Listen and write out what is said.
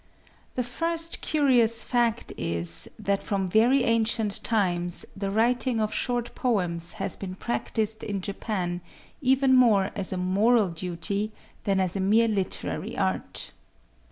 The first curious fact is that, from very ancient times, the writing of short poems has been practised in Japan even more as a moral duty than as a mere literary art.